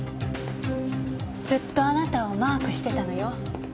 ずっとあなたをマークしてたのよ。